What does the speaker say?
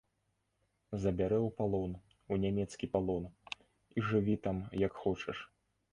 Забярэ ў палон, у нямецкі палон, і жыві там як хочаш.